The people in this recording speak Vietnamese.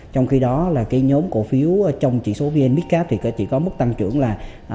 trong khi đó là cái nhóm cổ phiếu trong chỉ số vn mid cap thì chỉ có mức tăng trưởng là ba